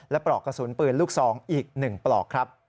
และปลอกกระสุนปืนลูกซองอีก๑ปลอกครับ